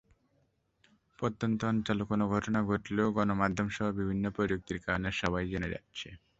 প্রত্যন্ত অঞ্চলে কোনো ঘটনা ঘটলেও গণমাধ্যমসহ বিভিন্ন প্রযুক্তির কারণে সবাই জেনে যাচ্ছে।